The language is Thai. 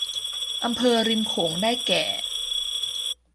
อำเภอริมโขงได้แก่